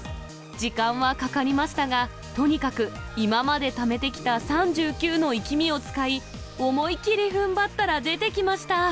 時間はかかりましたが、とにかく今までためてきた３９のいきみを使い、思い切りふんばったら出てきました。